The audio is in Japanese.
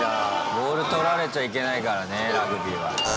ボールとられちゃいけないからねラグビーは。